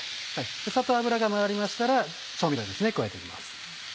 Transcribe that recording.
サッと油がまわりましたら調味料ですね加えて行きます。